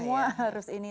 semua harus ini